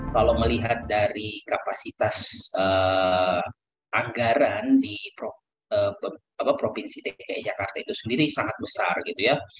kalau melihat dari kapasitas anggaran di provinsi dki jakarta itu sendiri sangat besar gitu ya